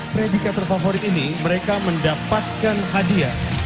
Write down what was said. predikator favorit ini mereka mendapatkan hadiah